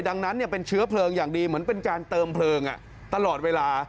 ดังนั้นเป็นเชื้อเพลิงอย่างดีเหมือนเป็นการเติมเพลิงตลอดเวลา